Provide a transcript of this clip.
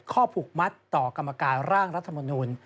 ข้อผลุคมัดต่อกรรมการร่างรัฐมนูน